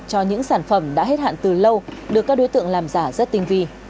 cho những sản phẩm đã hết hạn từ lâu được các đối tượng làm giả rất tinh vi